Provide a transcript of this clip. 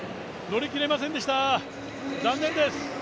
乗り切れませんでした、残念です。